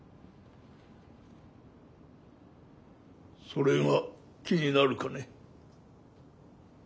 それが気になるかね？